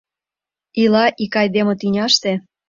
Ила ик айдеме тӱняште: